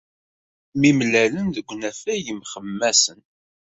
Mi mlalen deg unafag, mxemmasen.